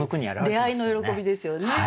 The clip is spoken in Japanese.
出会いの喜びですよね。